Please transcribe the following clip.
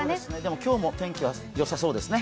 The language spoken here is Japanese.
今日も天気はよさそうですね。